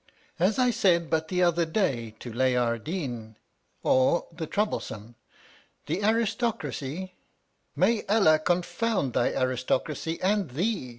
As I said, but the other day, to LAYARDEEN, or the Troublesome, the aristocracy — May Allah confound thy aris tocracy and thee